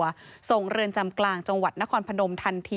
จะส่งเรือนจำกลางจังหวัดนครพนม